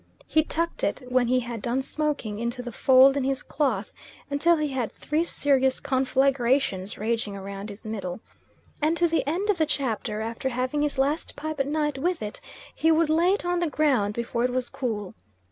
He tucked it, when he had done smoking, into the fold in his cloth, until he had had three serious conflagrations raging round his middle. And to the end of the chapter, after having his last pipe at night with it, he would lay it on the ground, before it was cool.